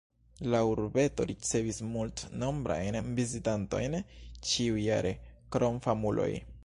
La urbeto ricevis multnombrajn vizitantojn ĉiujare krom famuloj.